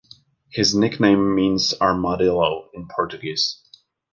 His nickname means "armadillo" in Portuguese.